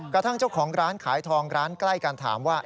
กระทั่งเจ้าของร้านขายทองร้านใกล้กันถามว่า